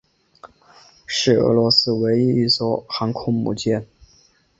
是俄罗斯唯一一艘航空母舰。